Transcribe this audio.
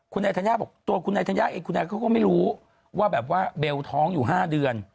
คุณไอทันย่าบอกตัวคุณไอทันย่าเองคุณไอทันย่าก็ไม่รู้ว่าแบบว่าเบลท้องอยู่๕เดือน